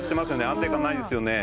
安定感ないですよね。